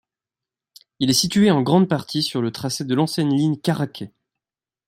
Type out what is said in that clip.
Il est situé en grande partie sur le tracé de l'ancienne ligne Caraquet.